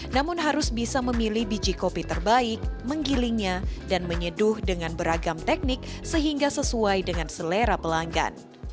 namun harus bisa memilih biji kopi terbaik menggilingnya dan menyeduh dengan beragam teknik sehingga sesuai dengan selera pelanggan